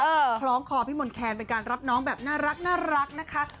คล้องคอพี่มนต์แคนเป็นการรับน้องแบบน่ารักนะคะ